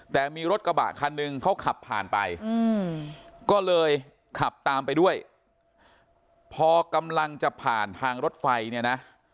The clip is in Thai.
แต่มีรถกระบะคันหนึ่งเขาขับผ่านไปก็เลยขับตามไปด้วยพอกำลังจะผ่านทางรถไฟเนี่ยนะ